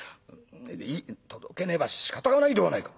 「届けねばしかたがないではないか。